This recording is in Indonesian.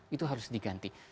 itu harus diganti